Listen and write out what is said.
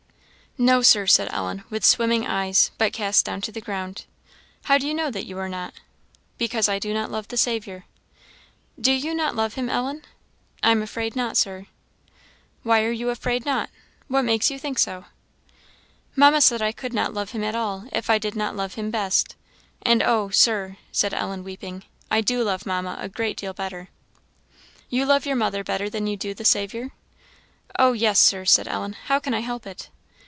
"No, Sir," said Ellen, with swimming eyes, but cast down to the ground. "How do you know that you are not?" "Because I do not love the Saviour." "Do you not love him, Ellen?" "I am afraid not, Sir." "Why are you afraid not? What makes you think so?" "Mamma said I could not love him at all, if I did not love him best; and, oh! Sir," said Ellen, weeping, "I do love Mamma a great deal better." "You love your mother better than you do the Saviour?" "Oh yes, Sir," said Ellen; "how can I help it?"